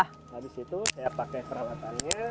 habis itu saya pakai peralatannya